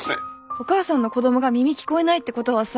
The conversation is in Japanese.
お母さんの子供が耳聞こえないってことはさ